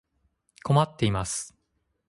困っています。